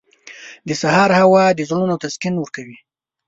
• د سهار هوا د زړونو تسکین ورکوي.